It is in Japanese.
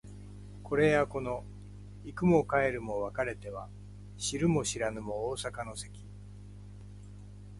これやこの行くも帰るも別れては知るも知らぬも逢坂の関